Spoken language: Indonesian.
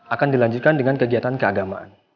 akan dilanjutkan dengan kegiatan keagamaan